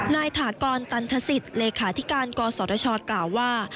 นายถากรตันศสิทธิ์เลขาธิการกสรชกล่าวว่า